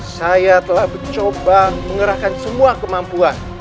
saya telah mencoba mengerahkan semua kemampuan